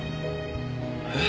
えっ！？